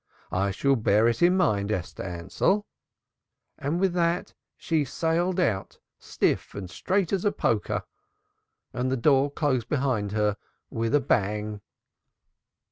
I shall bear it in mind, Esther Ansell.' With that she sailed out, stiff and straight as a poker, and the door closed behind her with a bang."